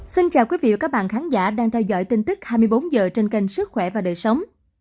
xin chào quý vị và các bạn khán giả đang theo dõi tin tức hai mươi bốn h trên kênh sức khỏe và đời sống